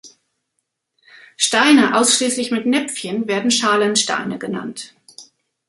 Steine ausschließlich mit Näpfchen werden Schalensteine genannt.